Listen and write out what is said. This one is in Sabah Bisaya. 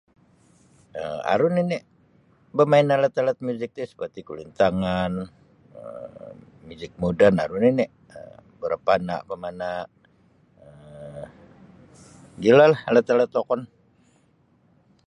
um Aru nini bamain alat-alat miuzik ti seperti kulintangan um miuzik moden aru nini berapana pamana um mogilolah alat-alat wokon.